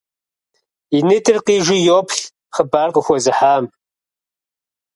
И нитӏыр къижу йоплъ хъыбар къыхуэзыхьам.